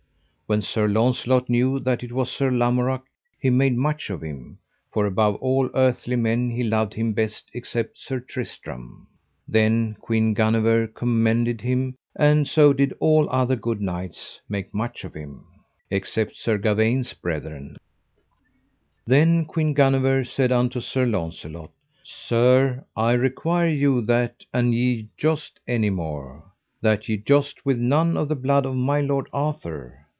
When Sir Launcelot knew that it was Sir Lamorak he made much of him, for above all earthly men he loved him best except Sir Tristram. Then Queen Guenever commended him, and so did all other good knights make much of him, except Sir Gawaine's brethren. Then Queen Guenever said unto Sir Launcelot: Sir, I require you that an ye joust any more, that ye joust with none of the blood of my lord Arthur.